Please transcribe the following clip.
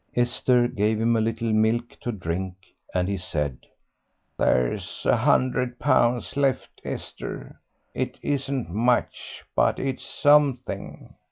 Esther gave him a little milk to drink, and he said "There's a hundred pounds left, Esther. It isn't much, but it's something.